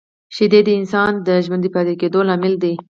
شیدې د انسان د ژوندي پاتې کېدو لامل دي